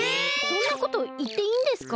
そんなこといっていいんですか？